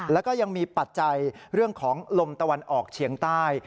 แล้วก็ยังมีปัจจัยเรื่องของลมตะวันออกเฉียงใต้